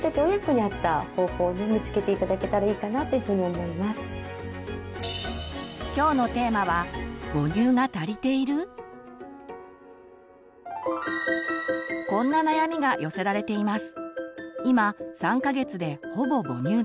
大切なのは今日のテーマはこんな悩みが寄せられています。